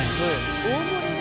大盛りで？